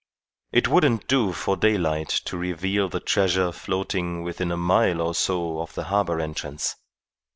It wouldn't do for daylight to reveal the treasure floating within a mile or so of the harbour entrance.